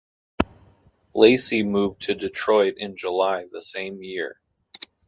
Lacy moved to Detroit in July the same year.